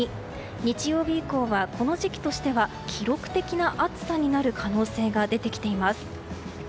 日曜日以降はこの時期としては記録的な暑さになる可能性が出てきています。